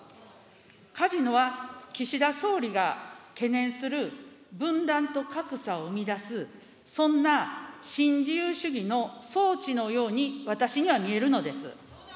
カジノは岸田総理が懸念する分断と格差を生み出す、そんな新自由主義の装置のように、私には見えるのです。